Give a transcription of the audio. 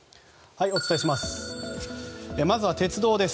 お伝えします。